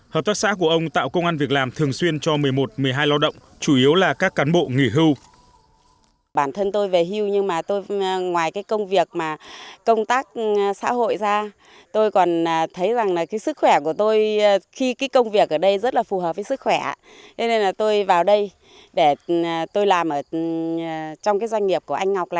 hợp tác xã của ông tạo công an việc làm thường xuyên cho một mươi một một mươi hai lao động chủ yếu là các cán bộ nghỉ hưu